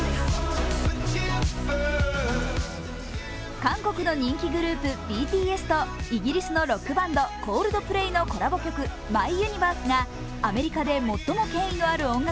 韓国の人気グループＢＴＳとイギリスのロックバンド、Ｃｏｌｄｐｌａｙのコラボ曲「ＭｙＵｎｉｖｅｒｓｅ」がアメリカで最も権威のある音楽